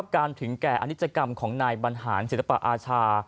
ถึงแก่อนิจกรรมของนายบรรหารศิลปอาชา